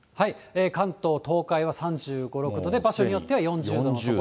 関東、東海は３５、６度で場所によっては４０度の所も。